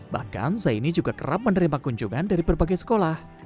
bahkan zaini juga kerap menerima kunjungan dari berbagai sekolah